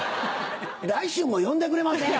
来週も呼んでくれません？